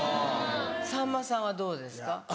さんまさんはどうですか？